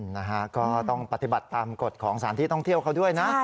นะฮะก็ต้องปฏิบัติตามกฎของสถานที่ท่องเที่ยวเขาด้วยนะ